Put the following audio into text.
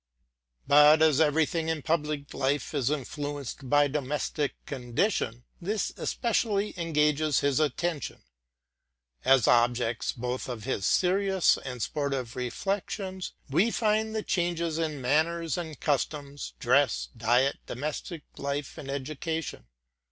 But as every thing in public life is influenced by domestic condition, this especially engages his attention. As objects, both of his serious and sportive reflections, we find the changes in manners and customs, dress, diet, domestic life, and education.